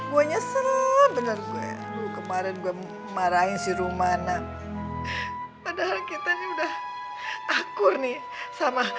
gua nyesel bener gue kemarin gue marahin si rumana padahal kita udah akur nih sama